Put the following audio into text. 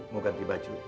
mau ganti baju